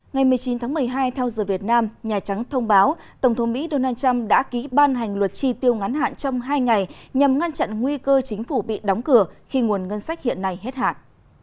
ngày một mươi chín tháng một mươi hai theo giờ việt nam nhà trắng thông báo tổng thống mỹ donald trump đã ký ban hành luật tri tiêu ngắn hạn trong hai ngày nhằm ngăn chặn nguy cơ chính phủ bị đóng cửa khi nguồn ngân sách hiện nay hết hạn